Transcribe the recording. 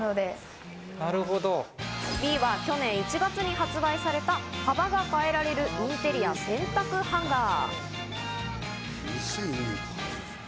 Ｂは去年１月に発売された、幅が変えられるインテリア洗濯ハンガー。